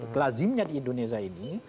kelazimnya di indonesia ini